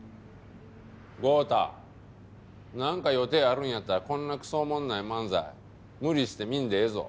豪太なんか予定あるんやったらこんなクソおもんない漫才無理して見んでええぞ。